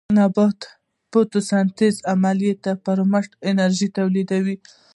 نباتات د فوټوسنټیز عملیې پر مټ انرژي تولیدوي